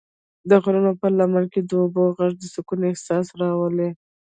د غرونو پر لمن کې د اوبو غږ د سکون احساس راولي.